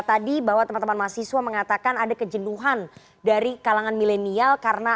tadi bahwa teman teman mahasiswa mengatakan ada kejenuhan dari kalangan milenial karena